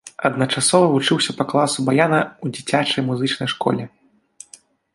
Адначасова вучыўся па класу баяна ў дзіцячай музычнай школе.